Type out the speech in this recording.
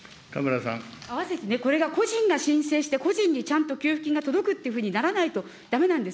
あわせて、これが個人が申請して、個人にちゃんと給付金が届くというふうにならないとだめなんです。